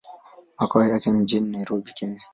Makao yake mjini Nairobi, Kenya.